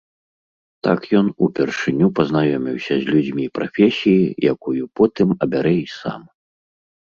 Так ён упершыню пазнаёміўся з людзьмі прафесіі, якую потым абярэ і сам.